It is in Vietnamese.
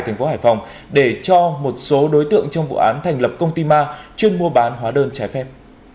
thành phố hải phòng để cho một số đối tượng trong vụ án thành lập công ty ma chuyên mua bán hóa đơn trái phép